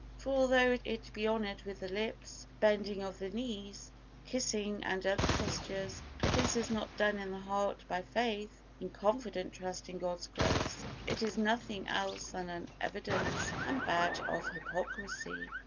For although it be honored with the lips, bending of the knees, kissing and other postures, if this is not done in the heart by faith, in confident trust in God's grace, it is nothing else than an evidence and badge of hypocrisy.